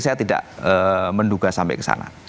saya tidak menduga sampai kesana